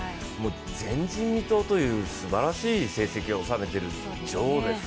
前人未到というすばらしい成績を収めてる女王です。